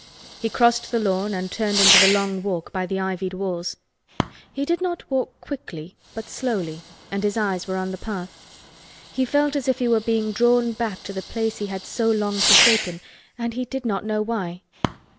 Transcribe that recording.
He crossed the lawn and turned into the Long Walk by the ivied walls. He did not walk quickly, but slowly, and his eyes were on the path. He felt as if he were being drawn back to the place he had so long forsaken, and he did not know why.